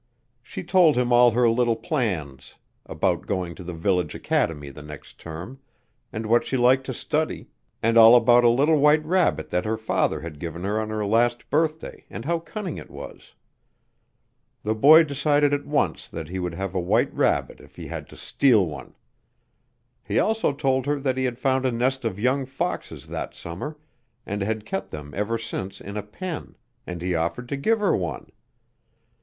She told him all her little plans about going to the village academy the next term, and what she liked to study, and all about a little white rabbit that her father had given her on her last birthday and how cunning it was. The boy decided at once that he would have a white rabbit if he had to steal one. He also told her that he had found a nest of young foxes that summer and had kept them ever since in a pen, and he offered to give her one.